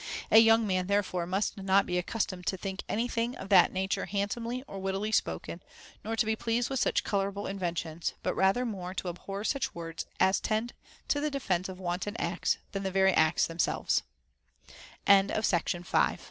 A young man therefore must not be accustomed to think any thing of that nature handsomely or wittily spoken, nor to be pleased with such colorable inventions ; but rather more to abhor such words as tend to the defence of wanton acts t